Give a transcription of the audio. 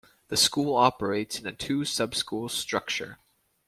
The school operates in a two sub-school structure.